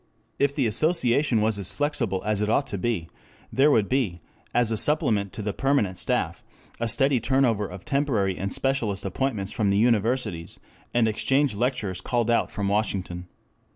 If the association was as flexible as it ought to be, there would be, as a supplement to the permanent staff, a steady turnover of temporary and specialist appointments from the universities, and exchange lecturers called out from Washington.